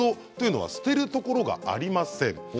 これは捨てるところがありません。